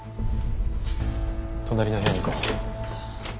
隣の部屋に行こう。